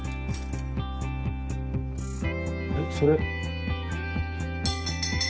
えっそれ。